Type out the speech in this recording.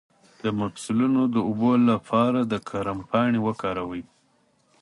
د مفصلونو د اوبو لپاره د کرم پاڼې وکاروئ